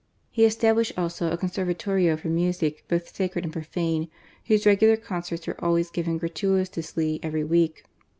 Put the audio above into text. He established also a Conservatorio for Music, both sacred and profane, whose regular concerts were always given gratui tously every week.